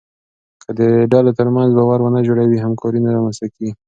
که د ډلو ترمنځ باور ونه جوړوې، همکاري نه رامنځته کېږي.